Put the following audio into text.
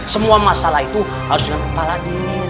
semua masalah itu harus dengan kepala dini